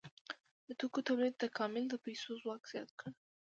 د توکو تولید تکامل د پیسو ځواک زیات کړ.